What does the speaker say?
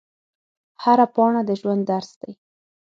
هره پاڼه د ژوند درس دی